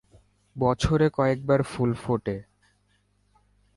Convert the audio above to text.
বছরে কয়েকবার ফুল ফোটে।